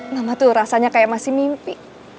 mama tuh rasanya kayak masih mimpi